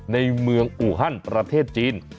ในเมืองอูฮันประเทศจีน